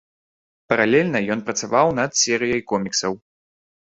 Паралельна ён працаваў над серыяй коміксаў.